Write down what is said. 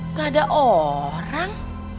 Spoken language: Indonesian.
gak ada orang